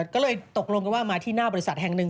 ก็เลยตกลงกันว่ามาที่หน้าบริษัทแห่งหนึ่ง